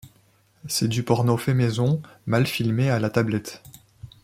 C’est du porno fait maison, mal filmé à la tablette.